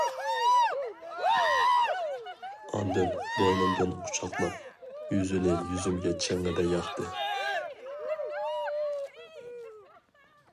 ئاندىن بوينۇمدىن قۇچاقلاپ يۈزىنى يۈزۈمگە چىڭڭىدە ياقتى.